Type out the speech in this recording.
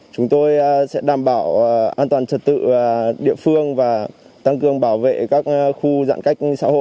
chúng tôi sẽ đảm bảo an toàn trật tự địa phương và tăng cường bảo vệ các khu giãn cách xã hội